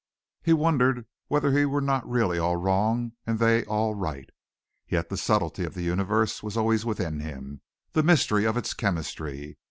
He wondered whether he were not really all wrong and they all right. Yet the subtlety of the universe was always with him the mystery of its chemistry.